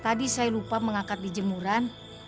tadi saya lupa mengangkat dijemuran